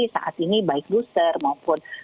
saat ini baik booster maupun